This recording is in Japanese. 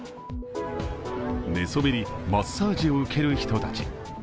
寝そべり、マッサージを受ける人たち。